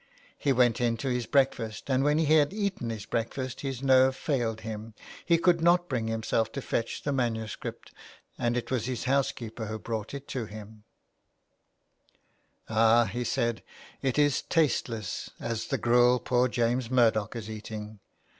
He went into his breakfast, and when he had eaten his breakfast his nerve failed him. He could not bring himself to fetch the manuscript, and it was his house keeper who brought it to him. 183 A LETTER TO ROME. " Ah," he said, '^ it is tasteless as the gruel that poor James Murdoch is eating."